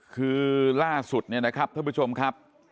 คือล่าสุดเนี่ยนะครับท่านผู้ชมครับ